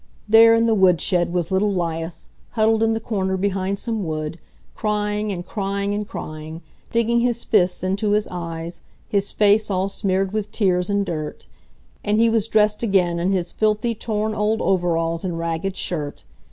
There in the woodshed was little 'Lias, huddled in the corner behind some wood, crying and crying and crying, digging his fists into his eyes, his face all smeared with tears and dirt. And he was dressed again in his filthy, torn old overalls and ragged shirt.